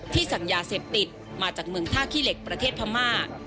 สั่งยาเสพติดมาจากเมืองท่าขี้เหล็กประเทศพม่า